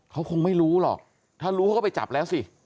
เขาคงไม่รู้หรอกถ้ารู้เขาก็ไปจับแล้วสิ